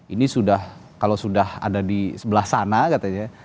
ini sudah kalau sudah ada di sebelah sana katanya